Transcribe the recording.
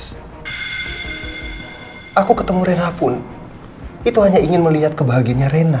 hai aku ketemu rina pun itu hanya ingin melihat kebahagiaannya rena